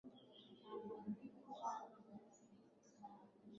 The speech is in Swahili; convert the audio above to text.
yaliyotokea maeneo tofauti ndani saa moja afisa mwandamizi wa polisi mohammed abubakar